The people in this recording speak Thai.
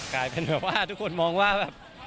กลายเป็นแบบว่าทุกคนมองว่าแบบ